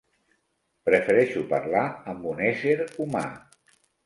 Prefereixo parlar amb un ésser humà.